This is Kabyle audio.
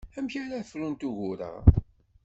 Amek ara frun ugur-a?